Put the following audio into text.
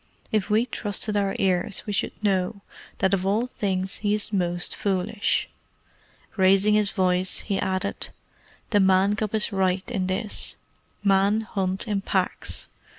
If we trusted our ears we should know that of all things he is most foolish." Raising his voice, he added, "The Man cub is right in this. Men hunt in packs.